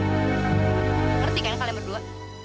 ngerti kan kalian berdua